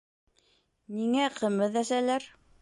Ниңә ҡымыҙ әсәләр?